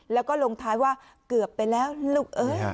แล้วก็ลงท้ายว่าเกือบไปแล้วลูกเอ้ย